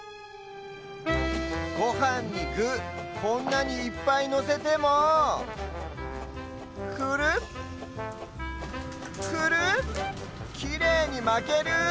ごはんにぐこんなにいっぱいのせてもクルクルきれいにまける！